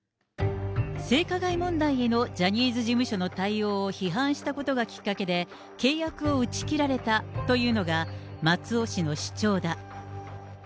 性加害問題へのジャニーズ事務所の対応を批判したことがきっかけで、契約を打ち切られたというのが、松尾氏の主張だ。